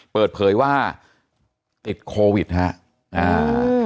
เปิดเผยว่าติดโควิดฮะอ่า